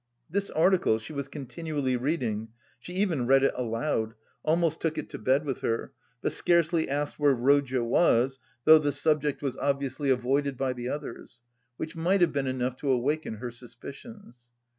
This article she was continually reading, she even read it aloud, almost took it to bed with her, but scarcely asked where Rodya was, though the subject was obviously avoided by the others, which might have been enough to awaken her suspicions.